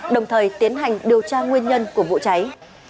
đồng thời tiến hành điều tra nguyên nhân của vụ cháy